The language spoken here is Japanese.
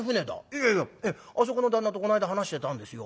いやいやあそこの旦那とこないだ話してたんですよ。